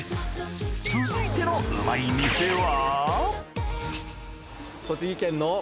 続いてのうまい店は？